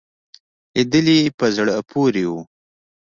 لیدلې په زړه پورې وو.